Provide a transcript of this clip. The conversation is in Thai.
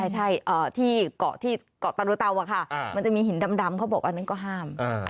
ใช่ที่เกาะที่เกาะตะโลเตาอะค่ะมันจะมีหินดำเขาบอกอันนั้นก็ห้าม